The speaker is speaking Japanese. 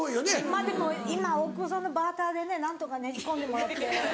まぁでも今は大久保さんのバーターでね何とかねじ込んでもらって。